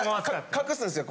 隠すんですよ。